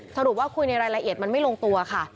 สรุปว่าคุยในรายละเอียดมันไม่ลงตัวค่ะ